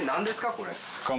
これ。